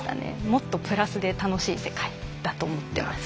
もっとプラスで楽しい世界だと思ってます。